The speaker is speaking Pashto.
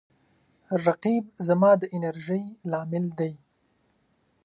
رقیب زما د انرژۍ لامل دی